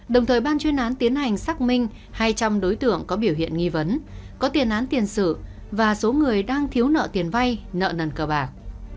đồng thời ban chuyên án tiến hành xác minh hai trăm linh đối tượng có biểu hiện nghi vấn có tiền án tiền sự và số người đang thiếu nợ tiền vay nợ nần cờ bạc